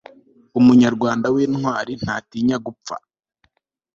umunyarwanda w'intwari ntatinya gupfa